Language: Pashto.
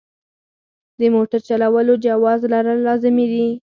د موټر چلولو جواز لرل لازمي دي.